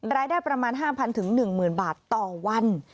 รายได้ประมาณ๕๐๐๑๐๐๐บาทต่อวัน